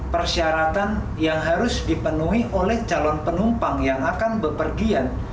persyaratan yang harus dipenuhi oleh calon penumpang yang akan bepergian